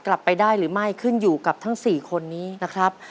กลับไปได้หรือไม่ขึ้นอยู่กับทั้ง๔คนนี้นะครับ